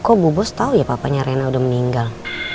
kok bu bos tau ya papanya rena udah meninggal